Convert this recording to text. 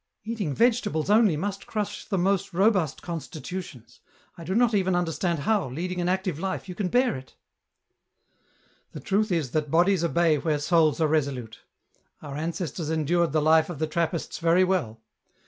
" Eatmg vegetables only must crush the most robust constitutions ; I do not even understand how, leading an active life, you can bear it/' " The truth is that bodies obey where souls are resolute. Our ancestors endured the life of the Trappists very well.